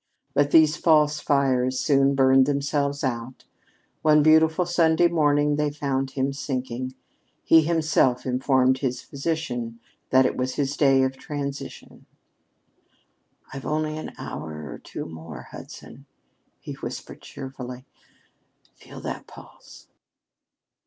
But these false fires soon burned themselves out. One beautiful Sunday morning they found him sinking. He himself informed his physician that it was his day of transition. "I've only an hour or two more, Hudson," he whispered cheerfully. "Feel that pulse!"